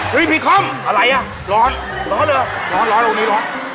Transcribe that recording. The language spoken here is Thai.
พี่พีชขอบ